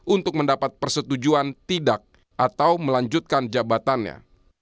untuk mendapat persetujuan tidak atau melanjutkan jabatannya